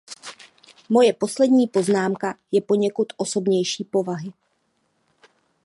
Moje poslední poznámka je poněkud osobnější povahy.